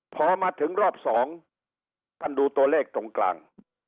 พอมาถึงรอบสองท่านดูตัวเลขตรงกลาง